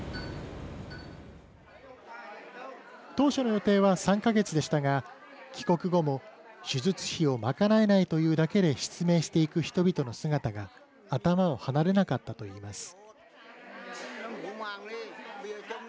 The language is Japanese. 当初の予定は３か月でしたが帰国後も手術費を賄えないというだけで失明していく人々の姿が頭を離れなかったといいます。